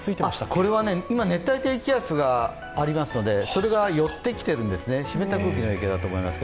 これは今、熱帯低気圧がありますので、それが寄ってきているんですね、湿った空気の影響だと思います。